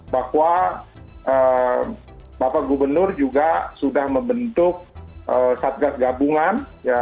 bahwa bapak gubernur juga sudah membentuk satgas gabungan